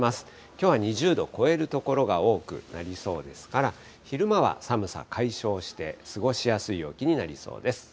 きょうは２０度を超える所が多くなりそうですから、昼間は寒さ解消して、過ごしやすい陽気になりそうです。